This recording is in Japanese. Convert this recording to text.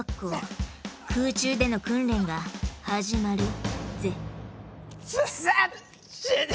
空中での訓練が始まるぜ！